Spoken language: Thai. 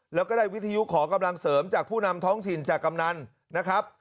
แล้วก็ได้วิทยุขอกำลังเสริมจากผู้นำท้องถิ่นจากกำนันนะครับ